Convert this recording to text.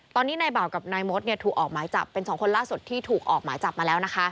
ตอนนี้นายบ่าวกับนายมดถูกออกหมายจับเป็น๒คนล่าสุดที่ถูกออกหมายจับมาแล้วนะคะ